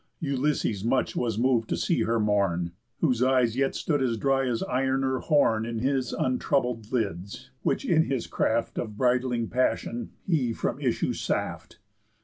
Ulysses much was mov'd to see her mourn, Whose eyes yet stood as dry as iron or horn In his untroubled lids, which in his craft Of bridling passion he from issue saft.